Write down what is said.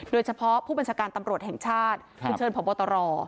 โดยเฉพาะผู้บัญชาการตำรวจแห่งชาติคือเชิญพบตร